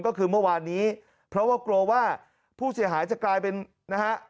ก็คือเมื่อวานนี้เพราะว่ากลัวว่าผู้เสียหายจะกลายเป็นนะฮะ